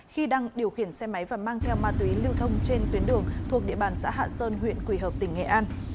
khi đang điều khiển xe máy và mang theo ma túy lưu thông trên tuyến đường thuộc địa bàn xã hạ sơn huyện quỳ hợp tỉnh nghệ an